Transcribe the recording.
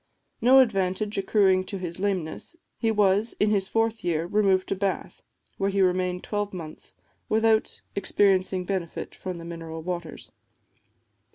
No advantage accruing to his lameness, he was, in his fourth year, removed to Bath, where he remained twelve months, without experiencing benefit from the mineral waters.